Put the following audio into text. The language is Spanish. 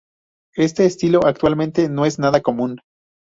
Este estilo, actualmente, no es nada común.